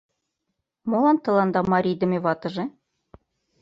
— Молан тыланда марийдыме ватыже?